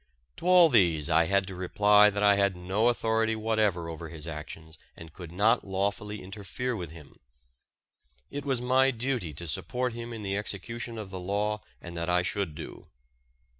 To all these I had to reply that I had no authority whatever over his actions and could not lawfully interfere with him. It was my duty to support him in the execution of the law and that I should do.